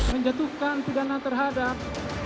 menjatuhkan pidana terhadap